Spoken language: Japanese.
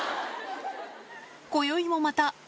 こよいもまた。